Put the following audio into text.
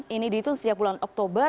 ini dihitung sejak bulan oktober